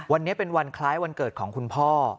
วันนี้เป็นวันคล้ายวันเกิดของคุณพ่อ